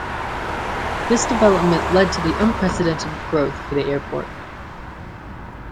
This development led to unprecedented growth for the airport.